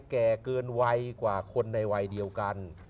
แก่เกินวัยกว่าคนในวัยเดียวกัน